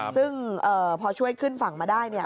ซึ่งพอช่วยขึ้นฝั่งมาได้เนี่ย